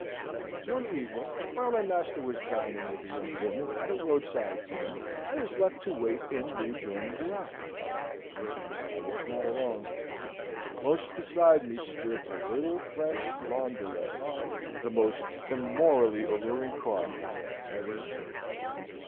One evening while my master was dining with a young woman at a roadside inn I was left to wait in the adjoining garage. But I was not alone; for close beside me stood a little French landaulet, the most immorally alluring car I had ever seen.